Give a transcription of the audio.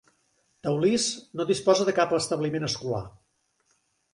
Teulís no disposa de cap establiment escolar.